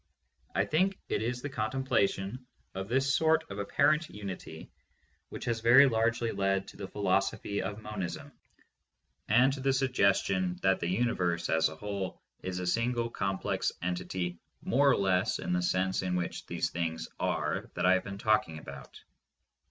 I think it is the contemplation of this sort of apparent unity which has very largely led to the philosophy of monism, and to the suggestion that the universe as a whole is a single complex entity more or less in the sense in which these things are that I have been talking about.